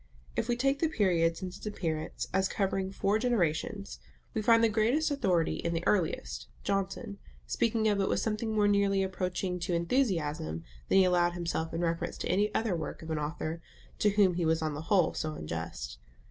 If we take the period since its appearance as covering four generations, we find the greatest authority in the earliest, Johnson, speaking of it with something more nearly approaching to enthusiasm than he allowed himself in reference to any other work of an author, to whom he was on the whole so unjust.